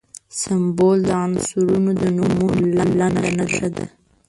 سمبول د عنصرونو د نومونو لنډه نښه ده.